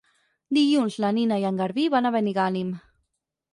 Dilluns na Nina i en Garbí van a Benigànim.